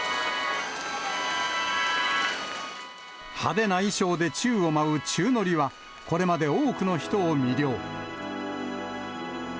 派手な衣装で宙を舞う宙乗りは、これまで多くの人を魅了。